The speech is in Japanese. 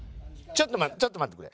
ちょっと待ってくれ。